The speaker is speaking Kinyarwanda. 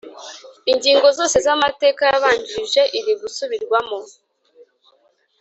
Ingingo zose z’ Amateka yabanjirije iri ziri gusubirwamo